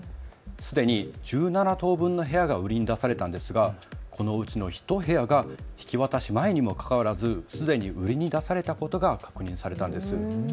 すでに１７棟分の部屋が売りに出されたんですがこのうちの１部屋が引き渡し前にもかかわらず、すでに売りに出されたことが確認されたんです。